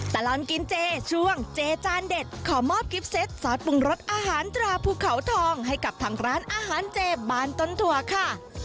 ตลอดกินเจช่วงเจจานเด็ดขอมอบกิฟเซตซอสปรุงรสอาหารตราภูเขาทองให้กับทางร้านอาหารเจบานต้นถั่วค่ะ